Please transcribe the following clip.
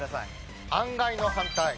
案外の反対。